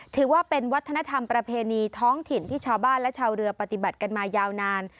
ถือว่าเป็นวัฒนธรรมประเพณีท้องถิ่นที่ชาวบ้านและชาวเรือปฏิบัติกันมายาวนาน